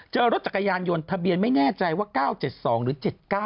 เจอรถจักรยานยนต์ทะเบียนไม่แน่ใจว่า๙๗๒หรือ๗๙